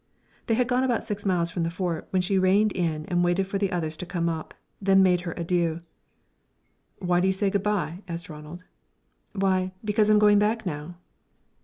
They had gone about six miles from the Fort when she reined in and waited for the others to come up, then made her adieux. "Why do you say good bye?" asked Ronald. "Why, because I'm going back now."